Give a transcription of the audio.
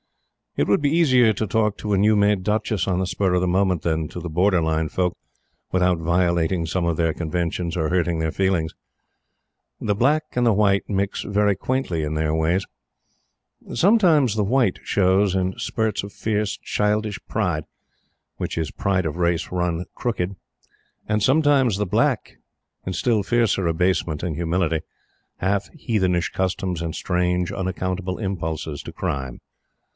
It would be easier to talk to a new made Duchess on the spur of the moment than to the Borderline folk without violating some of their conventions or hurting their feelings. The Black and the White mix very quaintly in their ways. Sometimes the White shows in spurts of fierce, childish pride which is Pride of Race run crooked and sometimes the Black in still fiercer abasement and humility, half heathenish customs and strange, unaccountable impulses to crime.